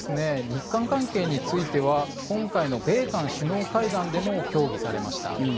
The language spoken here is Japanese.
日韓関係については今回の米韓首脳会談でも協議されました。